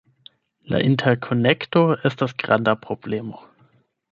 La interkonekto estas granda problemo.